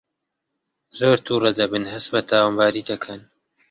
زۆر تووڕە دەبن هەست بە تاوانباری دەکەن